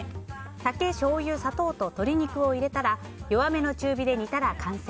酒、しょうゆ、砂糖と鶏肉を入れたら弱めの中火で煮たら完成。